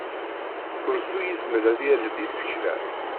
Ursu yezmer ad yaley isekla.